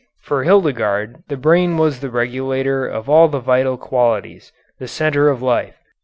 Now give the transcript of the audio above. For Hildegarde the brain was the regulator of all the vital qualities, the centre of life.